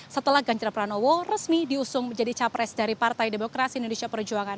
setelah ganjar pranowo resmi diusung menjadi capres dari partai demokrasi indonesia perjuangan